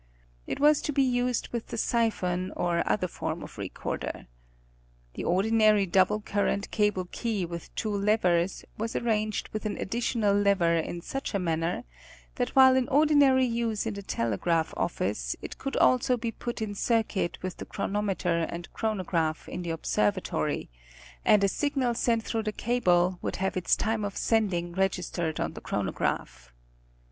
It was to be used with the siphon or other form of recorder. The ordinary double current cable key with two levers, was arranged with an additional lever in such a manner that while in ordinary use in the telegraph office, it could also be put in circuit with the chronometer and chronograph in the observatory, and a signal sent through the cable would have its time of sending registered on the chronograph.